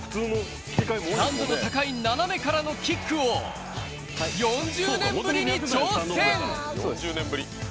難度の高い斜めからのキックを４０年ぶりに挑戦。